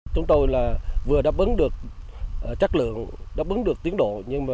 chúng tôi vừa đáp ứng được chất lượng đáp ứng được tiến độ